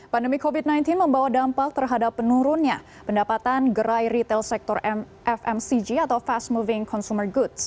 pandemi covid sembilan belas membawa dampak terhadap penurunnya pendapatan gerai retail sektor fmcg atau fast moving consumer goods